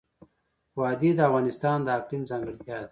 وادي د افغانستان د اقلیم ځانګړتیا ده.